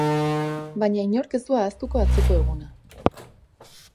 Baina inork ez du ahaztuko atzoko eguna.